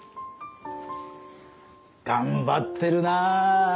頑張ってるなあ。